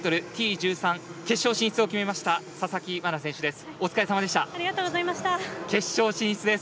１３決勝進出を決めました佐々木真菜選手です。